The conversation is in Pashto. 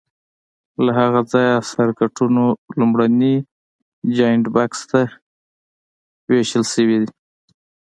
له هغه ځایه سرکټونو لومړني جاینټ بکس ته وېشل شوي دي.